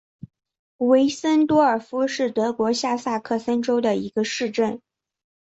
韦森多尔夫是德国下萨克森州的一个市镇。